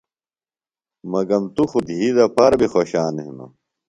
مگم توۡ خوۡ دھی دپارہ بیۡ خوشان ہِنوۡ۔